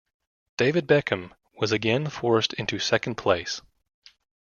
David Beckham was again forced into second place.